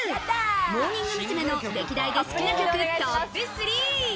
モーニング娘。の歴代で好きな曲トップ３。